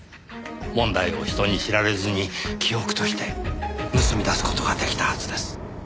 問題を人に知られずに記憶として盗み出す事が出来たはずです。